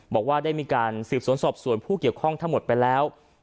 บอกว่าได้มีการสืบสวนสอบสวนผู้เกี่ยวข้องทั้งหมดไปแล้ว